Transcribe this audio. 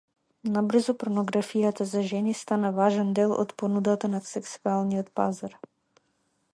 Набрзо порнографијата за жени стана важен дел од понудата на сексуалниот пазар.